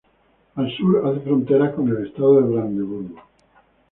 Al sur hace fronteras con el estado de Brandeburgo.